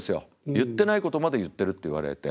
言ってないことまで言ってるって言われて。